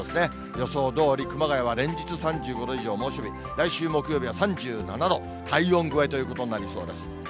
予想どおり、熊谷は連日３５度以上猛暑日、来週木曜日は３７度、体温超えということになりそうです。